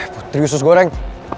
putri usus goreng